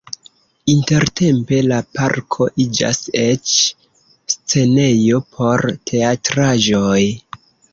Intertempe la parko iĝas eĉ scenejo por teatraĵoj.